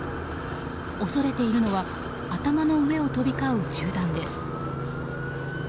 恐れているのは頭の上を飛び交う銃弾です。